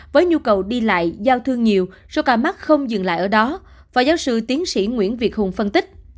với nhu cầu đi lại giao thương nhiều số ca mắc không dừng lại ở đó phó giáo sư tiến sĩ nguyễn việt hùng phân tích